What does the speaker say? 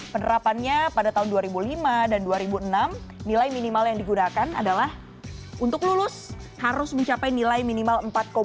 penerapannya pada tahun dua ribu lima dan dua ribu enam nilai minimal yang digunakan adalah untuk lulus harus mencapai nilai minimal empat dua